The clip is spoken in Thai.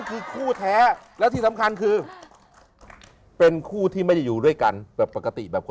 คือคู่แท้แล้วที่สำคัญคือเป็นคู่ที่ไม่ได้อยู่ด้วยกันแบบปกติแบบคน